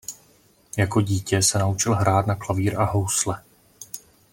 Jako dítě se naučil hrát na klavír a housle.